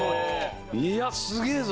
いやすげえぞ！